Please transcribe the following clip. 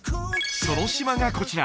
その島がこちら